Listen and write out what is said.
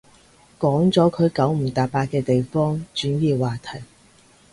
講咗佢九唔搭八嘅地方，轉移話題